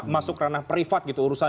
masuk ranah privat gitu urusan